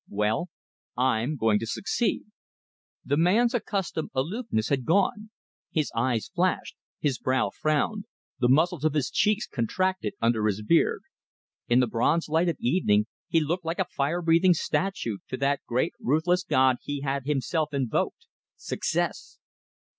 Well, I'm going to succeed!" The man's accustomed aloofness had gone. His eye flashed, his brow frowned, the muscles of his cheeks contracted under his beard. In the bronze light of evening he looked like a fire breathing statue to that great ruthless god he had himself invoked, Success.